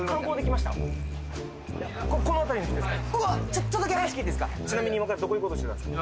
ちょっとだけ話聞いていいですか？